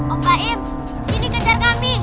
om baim sini kejar kami